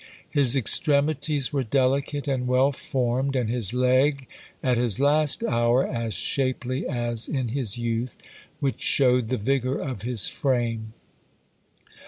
His extremities were delicate and well formed, and his leg, at his last hour, as shapely as in his youth, which showed the vigour of his frame.